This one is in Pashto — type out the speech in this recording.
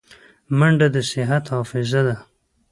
منډه د صحت محافظه ده